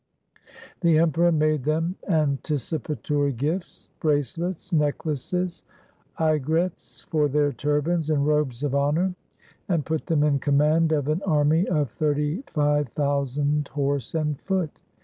The Emperor made them anticipatory gifts — bracelets, necklaces, aigrettes for their turbans, and robes of honour — and put them in command of an army of thirty five thousand horse and foot.